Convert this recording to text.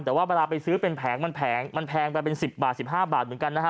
แต่ว่าเวลาไปซื้อเป็นแผงมันแพงมันแพงไปเป็น๑๐บาท๑๕บาทเหมือนกันนะฮะ